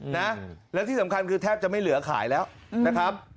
๔๙๙๔๔๖๖๔๕๗๗๕นะแล้วที่สำคัญคือแทบจะไม่เหลือขายแล้วนะครับ